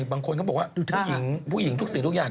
บางคนเขาบอกว่าผู้หญิงทุกสิ่งทุกอย่าง